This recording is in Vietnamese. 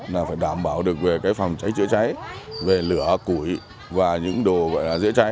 là phải đảm bảo được về cái phòng cháy chữa cháy về lửa củi và những đồ gọi là dễ cháy